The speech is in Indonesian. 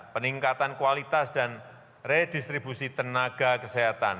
peningkatan kualitas dan redistribusi tenaga kesehatan